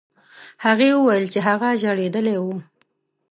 هغې وویل چې هغه ژړېدلی و.